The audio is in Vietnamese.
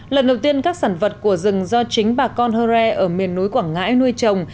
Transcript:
lần đầu tiên các sản vật của rừng do chính bà con hơ re ở miền núi quảng ngãi nuôi trồng